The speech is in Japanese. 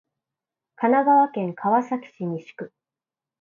神奈川県川崎市西区